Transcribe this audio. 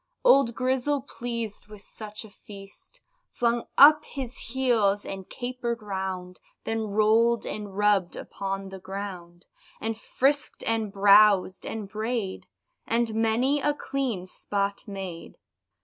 Old Grizzle, pleased with such a feast, Flung up his heels, and caper'd round, Then roll'd and rubb'd upon the ground, And frisk'd and browsed and bray'd, And many a clean spot made.